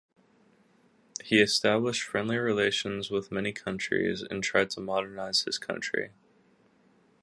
He established friendly relations with many countries and tried to modernize his country.